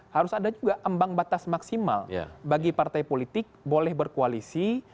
harus ada juga ambang batas maksimal bagi partai politik boleh berkoalisi